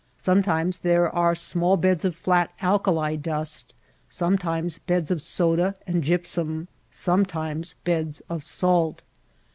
Sometimes there are small beds of flat alkali dust, sometimes beds of soda and gypsum, sometimes beds of salt.